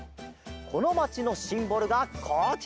このまちのシンボルがこちら！